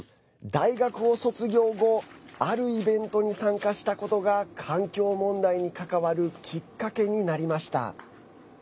大学を卒業後あるイベントに参加したことが環境問題に関わるきっかけになりました。